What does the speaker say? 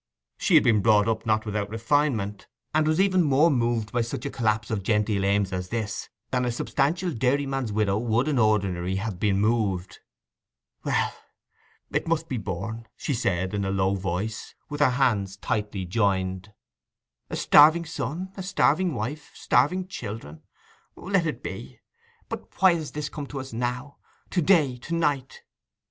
She had been brought up not without refinement, and was even more moved by such a collapse of genteel aims as this than a substantial dairyman's widow would in ordinary have been moved. 'Well, it must be borne,' she said, in a low voice, with her hands tightly joined. 'A starving son, a starving wife, starving children! Let it be. But why is this come to us now, to day, to night?